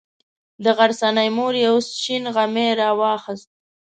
د غرڅنۍ مور یو شین غمی راواخیست.